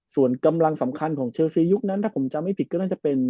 ส่วนกำลังสำคัญของเชลซียุคนั้นถ้าผมจำไม่ผิดก็น่าจะเป็น